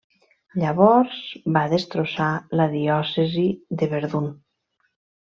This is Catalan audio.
Llavors va destrossar la diòcesi de Verdun.